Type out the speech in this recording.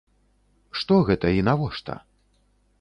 Што гэта і навошта?